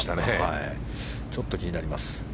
ちょっと気になります。